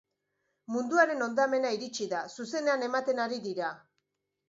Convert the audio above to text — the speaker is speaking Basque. Munduaren hondamena iritsi da, zuzenean ematen ari dira.